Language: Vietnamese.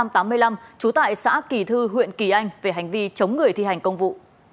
trú tại xã kỳ thư huyện kỳ anh về hành vi chống người thi hành công vụ